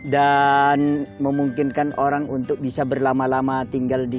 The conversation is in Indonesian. dan memungkinkan orang untuk bisa berlama lama tinggal di